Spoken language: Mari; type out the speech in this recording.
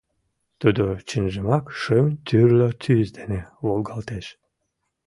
Тудо чынжымак шым тӱрлӧ тӱс дене волгалтеш.